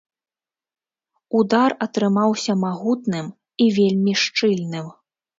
Удар атрымаўся магутным і вельмі шчыльным.